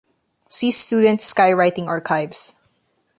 See Student Skywriting Archives.